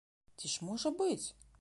Ці ж можа быць?